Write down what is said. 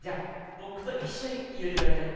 ぼくといっしょにゆれてくださいね。